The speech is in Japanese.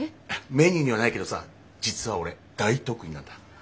メニューにはないけどさ実は俺大得意なんだ。